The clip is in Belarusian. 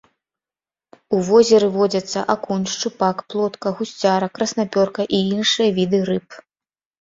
У возеры водзяцца акунь, шчупак, плотка, гусцяра, краснапёрка і іншыя віды рыб.